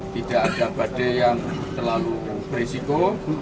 tidak ada badai yang terlalu berisiko